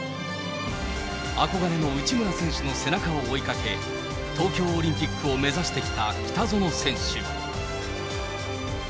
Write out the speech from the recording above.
憧れの内村選手の背中を追いかけ、東京オリンピックを目指してきた北園選手。